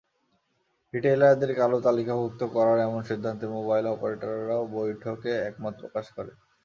রিটেইলারদের কালো তালিকাভুক্ত করার এমন সিদ্ধান্তে মোবাইল অপারেটররাও বৈঠকে একমত প্রকাশ করে।